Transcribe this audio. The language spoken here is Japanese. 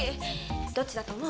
どっちだと思う？